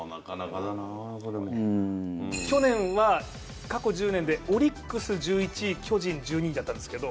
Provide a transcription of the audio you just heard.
去年は過去１０年でオリックス１１位巨人１２位だったんですけど。